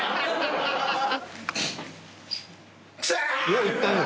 ［よういったね］